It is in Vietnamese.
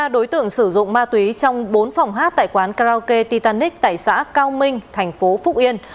ba đối tượng sử dụng ma túy trong bốn phòng hát tại quán karaoke titanic tại xã cao minh thành phố phúc yên